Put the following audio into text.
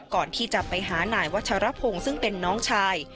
ก่อนที่จะไปหานายวัชรพงศ์ซึ่งเป็นน้องชาย